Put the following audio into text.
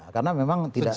karena memang tidak